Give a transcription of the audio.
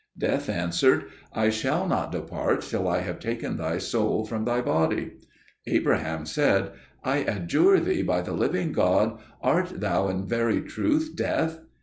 Death answered, "I shall not depart till I have taken thy soul from thy body." Abraham said, "I adjure thee by the living God: art thou in very truth Death?"